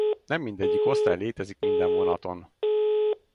Nem mindegyik osztály létezik minden vonaton.